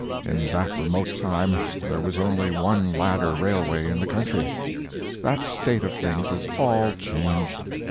In that remote time there was only one ladder railway in the country. That state of things is all changed.